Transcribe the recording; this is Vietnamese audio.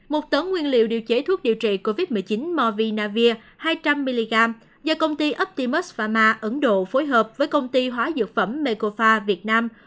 một tấn nguyên liệu điều chế thuốc điều trị covid một mươi chín movinavir hai trăm linh mg do công ty upimus vama ấn độ phối hợp với công ty hóa dược phẩm mekofa việt nam